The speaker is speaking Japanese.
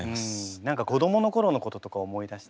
何か子どもの頃のこととか思い出して。